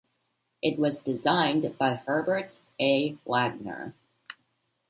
It was designed by Herbert A. Wagner.